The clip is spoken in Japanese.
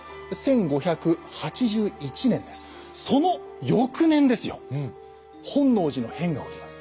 その翌年ですよ本能寺の変が起きます。